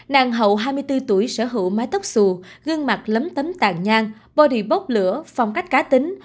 nàng hậu hai mươi bốn tuổi sở hữu mái tóc xù gương mặt lấm tấm tàn nhan body bốc lửa phong cách cá tính